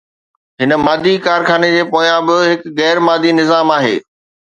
هن مادي ڪارخاني جي پويان به هڪ غير مادي نظام آهي